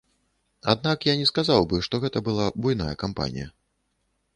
Аднак я не сказаў бы, што гэта была буйная кампанія.